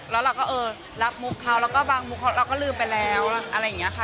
แล้วเราก็เออรับมุกเขาแล้วก็บางมุกเราก็ลืมไปแล้วอะไรอย่างนี้ค่ะ